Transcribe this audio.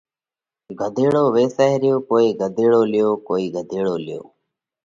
ڳۮيڙو ويسائه ريو ڪوئي ڳۮيڙو ليو، ڪوئي ڳۮيڙو ليو۔